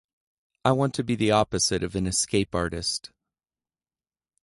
I want to be the opposite of an escape artist.